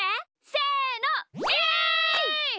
せの！